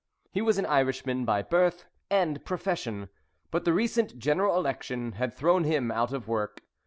He was an Irishman by birth and profession, but the recent General Election had thrown him out of work.